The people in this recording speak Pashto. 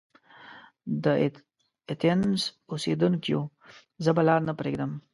د ایتهنز اوسیدونکیو! زه به لار نه پريږدم.